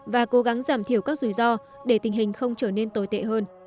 và cố gắng giảm thiểu các rủi ro để tình hình không trở nên tồi tệ hơn